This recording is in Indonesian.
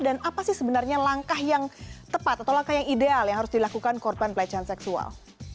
dan apa sih sebenarnya langkah yang tepat atau langkah yang ideal yang harus dilakukan korban pelecehan seksual